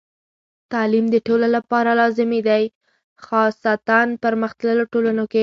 تعلیم د ټولو لپاره لازمي دی، خاصتاً پرمختللو ټولنو کې.